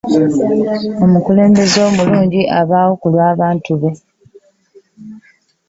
omukulembeze omulungi abeerawo kulw'abantu bbe